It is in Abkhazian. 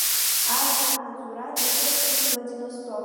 Арратә маҵура дахысхьан Владивосток.